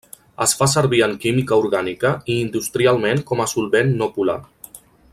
Es fa servir en química orgànica i industrialment com a solvent no polar.